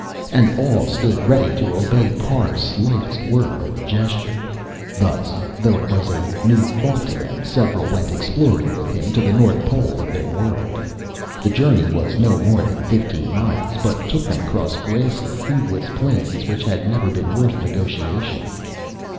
And all stood ready to obey Parr's slightest word or gesture. Thus, though it was a new thought to them, several went exploring with him to the north pole of their world. The journey was no more than fifteen miles, but took them across grassy, foodless plains which had never been worth negotiation.